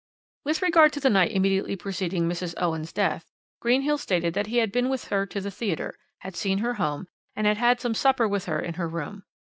"With regard to the night immediately preceding Mrs. Owen's death, Greenhill stated that he had been with her to the theatre, had seen her home, and had had some supper with her in her room.